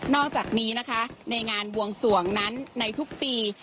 อกจากนี้นะคะในงานบวงสวงนั้นในทุกปี